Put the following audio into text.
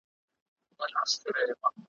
هغه هم زوی